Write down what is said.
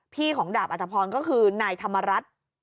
ของดาบอัตภพรก็คือนายธรรมรัฐ